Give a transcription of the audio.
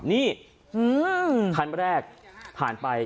นี่คันแรกผ่านไป